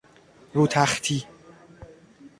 رو تختی